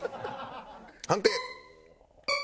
判定。